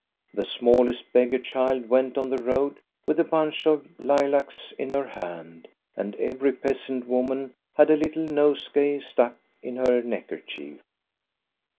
The smallest beggar child went on the road with a bunch of lilacs in her hand, and every peasant woman had a little nosegay stuck in her neckerchief.